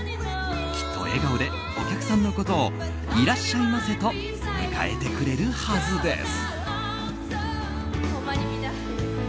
きっと笑顔でお客さんのことをいらっしゃいませと迎えてくれるはずです。